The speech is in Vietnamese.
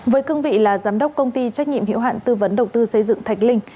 với cương vị là giám đốc công ty trách nhiệm hiệu hạn tư vấn đầu tư xây dựng thạch linh